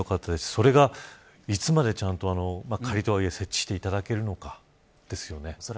それがいつまで仮とはいえ設置していただけるのかですよね。